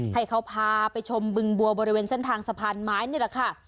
ให้เขาพาไปชมบึงบัวบริเวณเส้นทางสะพานไม้นี่แหละค่ะ